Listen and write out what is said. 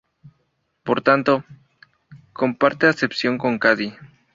Por tanto, comparte acepción con Cadí.